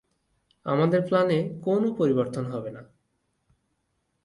আমাদের প্ল্যানে কোনো পরিবর্তন হবে না।